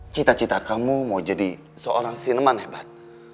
cita cita kamu mau jadi seorang sineman hebat